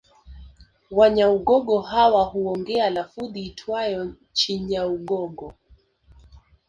Wanyaugogo hawa huongea lafudhi iitwayo Chinyaugogo